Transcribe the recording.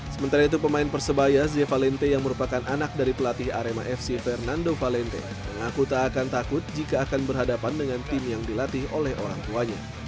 sementara itu pemain persebaya ze valente yang merupakan anak dari pelatih arema fc fernando valente mengaku tak akan takut jika akan berhadapan dengan tim yang dilatih oleh orang tuanya